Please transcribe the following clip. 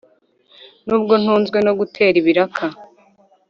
Nubwo ntunzwe no gutera ibiraka